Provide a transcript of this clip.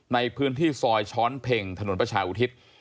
ในพื้นที่ซอยช้อนเพ็งถนนประชาอุทิศ